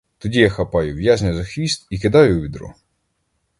Тоді я хапаю в'язня за хвіст і кидаю у відро.